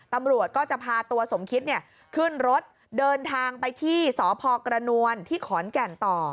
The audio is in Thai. ตำรวจก็จะพาตัวสมคิตขึ้นรถเดินทางไปที่สพกระนวลที่ขอนแก่นต่อ